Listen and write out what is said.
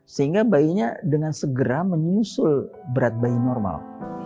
sehingga bayinya dengan segera menyusul berat bayi normal